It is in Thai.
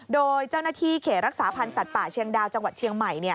โดยเจ้าหน้าที่เขตรักษาพันธ์สัตว์ป่าเชียงดาวจังหวัดเชียงใหม่